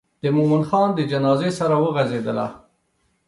د مومن خان د جنازې سره وغزېدله.